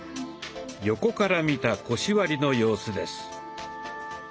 横から見た腰割りの様子です。